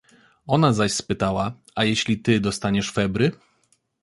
Ona zaś spytała: — A jeśli ty dostaniesz febry?